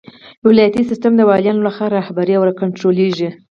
ولایتي سیسټم د والیانو لخوا رهبري او کنټرولیږي.